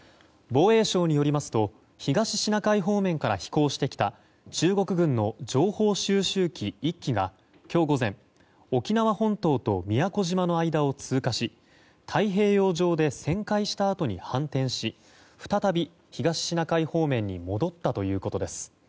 防衛省によりますと東シナ海方面から飛行してきた中国軍の情報収集機１機が今日午前、沖縄本島と宮古島の間を通過し太平洋上で旋回したあとに反転し再び東シナ海方面に戻ったということです。